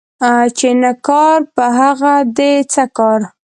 چي نه کار په هغه دي څه کار.